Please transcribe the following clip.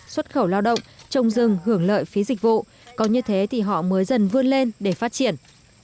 xuất khẩu lao động trồng rừng hưởng lợi phí dịch vụ có như thế thì họ mới dần vươn lên để phát triển